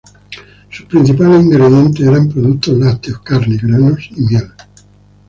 Sus principales ingredientes eran productos lácteos, carne, granos y miel.